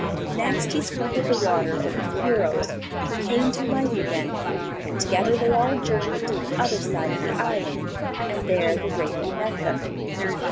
Next he sprinkled the water over the heroes, who came to life again, and together they all journeyed to the other side of the island, and there the raven met them.